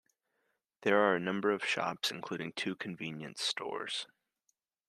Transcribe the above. There are a number of shops, including two convenience stores.